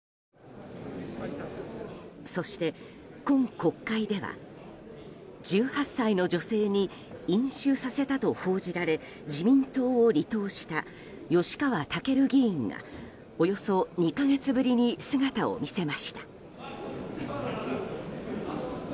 そして、今国会では１８歳の女性に飲酒させたと報じられ自民党を離党した吉川赳議員がおよそ２か月ぶりに姿を見せました。